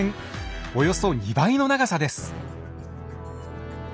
およそ２倍の長さです。